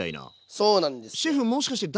そうなんですよ。